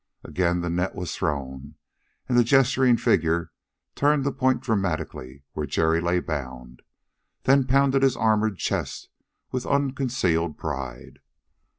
Again the net was thrown, and the gesturing figure turned to point dramatically where Jerry lay bound, then pounded his armored chest with unconcealed pride.